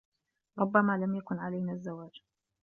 ربما لم يكن علينا الزواج.